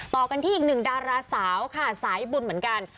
ต่อกันที่อีกหนึ่งดาราสาวค่ะสายบุญเหมือนกัน